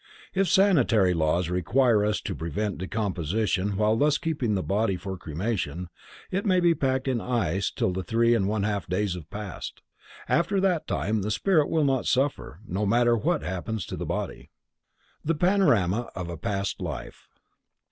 If sanitary laws require us to prevent decomposition while thus keeping the body for cremation, it may be packed in ice till the three and one half days have passed. After that time the spirit will not suffer, no matter what happens to the body. _The Panorama of a Past Life.